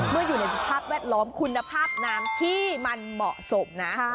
อยู่ในสภาพแวดล้อมคุณภาพน้ำที่มันเหมาะสมนะ